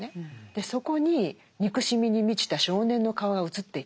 でそこに憎しみに満ちた少年の顔が映っていたと。